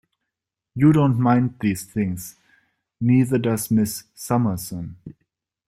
You don't mind these things; neither does Miss Summerson.